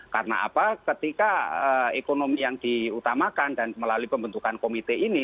karena ketika ekonomi yang diutamakan dan melalui pembentukan komite ini